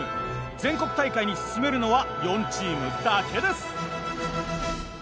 全国大会に進めるのは４チームだけです。